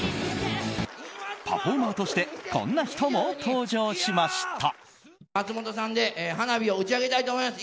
パフォーマーとしてこんな人も登場しました。